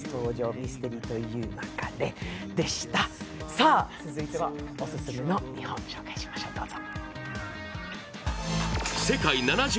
さあ、続いてはオススメの２本紹介しましょう、どうぞ。